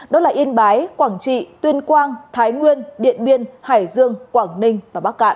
đó là yên bái quảng trị tuyên quang thái nguyên điện biên hải dương quảng ninh và bắc cạn